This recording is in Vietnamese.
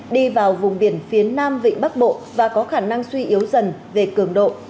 đi vào vùng biển phía nam vịnh bắc bộ và có khả năng suy yếu dần về cường độ